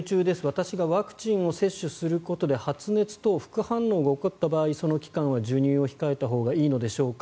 私がワクチンを接種することで発熱等、副反応が起こった場合その期間は授乳を控えたほうがいいのでしょうか？